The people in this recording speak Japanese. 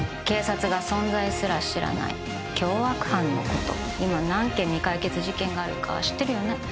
警察が存在すら知らない凶悪犯のこと今何件未解決事件があるか知ってるよね？